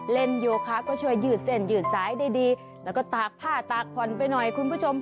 โยคะก็ช่วยยืดเส้นยืดสายได้ดีแล้วก็ตากผ้าตากผ่อนไปหน่อยคุณผู้ชม